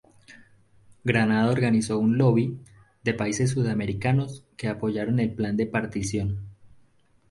Granado organizó un "lobby" de países sudamericanos que apoyaron el Plan de Partición.